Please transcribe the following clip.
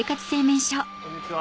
こんにちは。